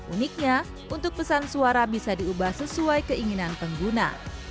uniknya untuk pesan suara bisa diubah sesuai keinginan pengguna